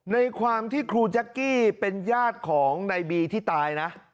ในความที่ครูแจ๊กกี้เป็นญาติของในบีที่ตายนะ